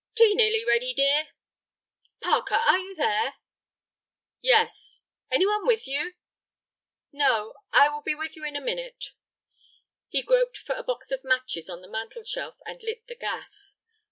"Tea nearly ready, dear?" "Parker, are you there?" "Yes." "Any one with you?" "No. I will be with you in a minute." He groped for a box of matches on the mantel shelf and lit the gas.